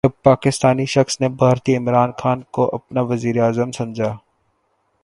جب پاکستانی شخص نے بھارتی عمران خان کو اپنا وزیراعظم سمجھا